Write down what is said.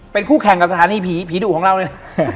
เป็นคู่แข่งกับสถานีผีผีดุของเราเลย